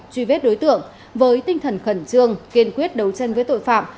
truy vết đối tượng với tinh thần khẩn trương kiên quyết đấu tranh với tội phạm